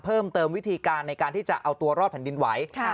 เพิ่มเติมวิธีการในการที่จะเอาตัวรอดแผ่นดินไหว